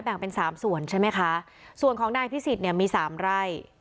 เป็นสามส่วนใช่ไหมคะส่วนของนายพิสิทธิ์เนี่ยมีสามไร่